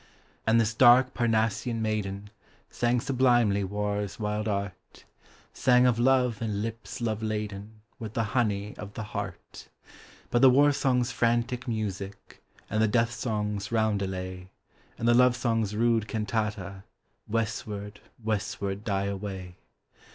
And this dark Parnassian maiden, Sang sublimely war's wild art; Sang of love and lips love laden With the honey of the heart. But the warsong's frantic music, And the deathsong's roundelay, And the lovesong's rude cantata, Westward, westward die away.